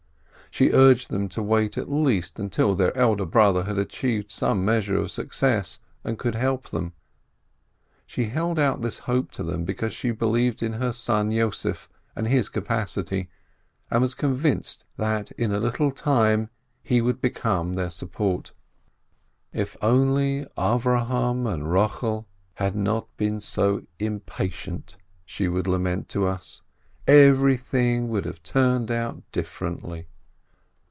She urged them to wait at least till their elder brother had achieved some measure of success, and could help them. She held out this hope to them, because she believed in her son Yossef and his capacity, and was convinced that in a little time he would become their support. If only Avrohom and Eochel had not been so impa tient (she would lament to us), everything would have turned out differently!